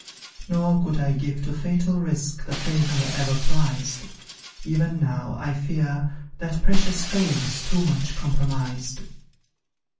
"Nor could I give to fatal risk The fame I ever prized; Even now, I fear, that precious fame Is too much compromised."